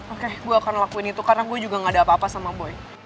oke gue akan lakuin itu karena gue juga gak ada apa apa sama boy